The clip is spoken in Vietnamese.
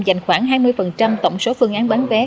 dành khoảng hai mươi tổng số phương án bán vé